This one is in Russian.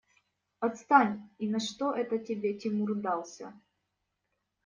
Отстань! И на что это тебе Тимур дался?